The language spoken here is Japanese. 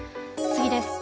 次です。